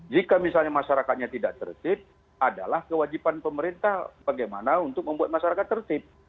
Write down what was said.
jika misalnya masyarakatnya tidak tertib adalah kewajiban pemerintah bagaimana untuk membuat masyarakat tertib